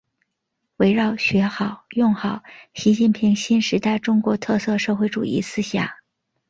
围绕学好、用好习近平新时代中国特色社会主义思想